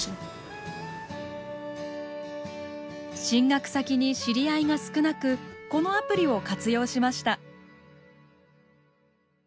進学先に知り合いが少なくこのアプリを活用しました。